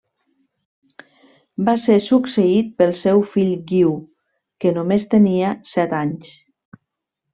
Va ser succeït pel seu fill Guiu, que només tenia set anys.